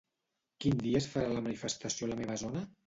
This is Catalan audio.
Quin dia es farà la manifestació a la meva zona?